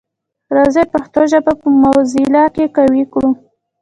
راځی پښتو ژبه په موزیلا کي قوي کړو.